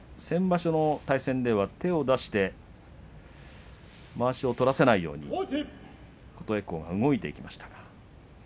先場所の対戦では手を出してまわしを取らせないように琴恵光が動いていきました。